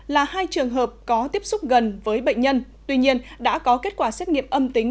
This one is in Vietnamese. là hai trường hợp có tiếp xúc gần với bệnh nhân tuy nhiên đã có kết quả xét nghiệm âm tính